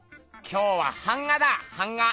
今日は版画だ版画！